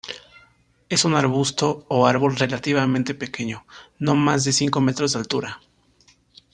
Es un arbusto, o árbol relativamente pequeño, no más de cinco metros de altura.